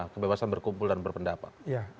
kebebasan berkumpul dan berpendapat